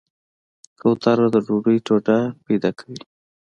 کوتره د ډوډۍ ټوټه پیدا کوي.